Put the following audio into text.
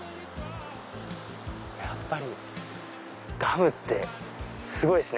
やっぱりダムってすごいっすね。